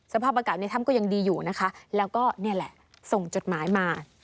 สภาพอากาศในถ้ำก็ยังดีอยู่นะคะแล้วก็นี่แหละส่งจดหมายมา